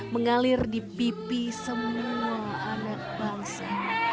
mengalir di pipi semua anak bangsa